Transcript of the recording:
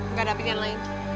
gak ada pilihan lain